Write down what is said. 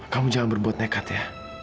kamu jangan berbuat nekat ya